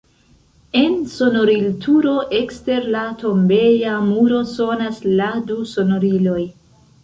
En sonorilturo ekster la tombeja muro sonas la du sonoriloj.